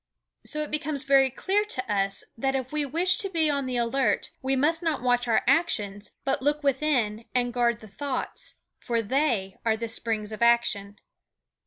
So it becomes very clear to us that if we wish to be on the alert we must not watch our actions, but look within and guard the thoughts; for they are the springs of action.